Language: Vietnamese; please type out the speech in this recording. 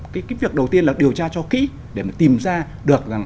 cái việc đầu tiên là điều tra cho kỹ để mà tìm ra được rằng